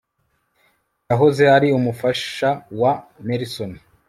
yahoze ari umufasha wa nelson